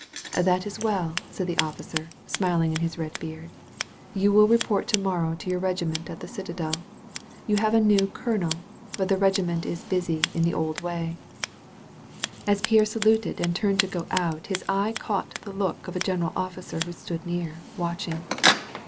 "That is well," said the officer, smiling in his red beard. "You will report to morrow to your regiment at the citadel. You have a new colonel, but the regiment is busy in the old way." 1S3 THE VALLEY OF VISION As Pierre saluted and turned to go out his eye <»iught the look of a general officer who stood near, uratching.